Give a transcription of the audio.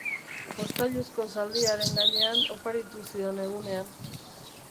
Jostailuzko zaldi haren gainean, oparitu zion egunean.